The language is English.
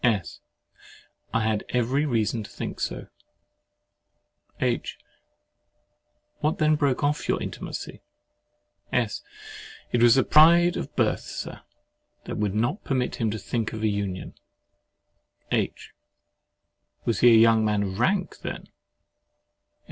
S. I had every reason to think so. H. What then broke off your intimacy? S. It was the pride of birth, Sir, that would not permit him to think of a union. H. Was he a young man of rank, then?